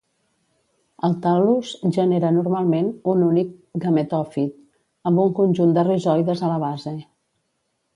El tal·lus genera, normalment, un únic gametòfit amb un conjunt de rizoides a la base.